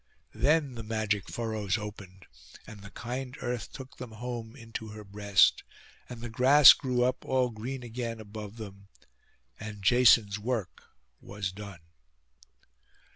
Then the magic furrows opened, and the kind earth took them home into her breast and the grass grew up all green again above them, and Jason's work was done.